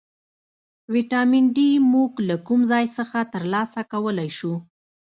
ویټامین ډي موږ له کوم ځای څخه ترلاسه کولی شو